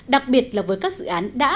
đặc biệt là với các dự án đã